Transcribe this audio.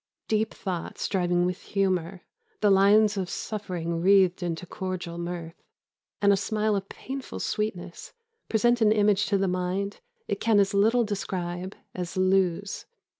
Deep thought striving with humour, the lines of suffering wreathed into cordial mirth, and a smile of painful sweetness, present an image to the mind it can as little describe as lose.